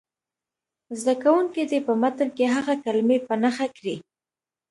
زده کوونکي دې په متن کې هغه کلمې په نښه کړي.